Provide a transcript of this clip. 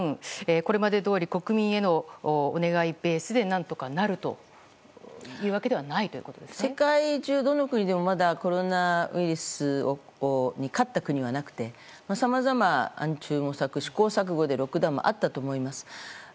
これまでどおり国民へのお願いベースでは何とかなるというわけではない？世界中、どの国でもまだコロナウイルスに勝った国はなくてさまざま暗中模索、試行錯誤でロックダウンもあったと思います。